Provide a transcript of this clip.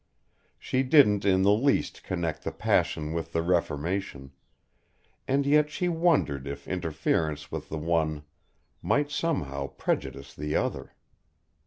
She didn't in the least connect the passion with the reformation, and yet she wondered if interference with the one might somehow prejudice the other.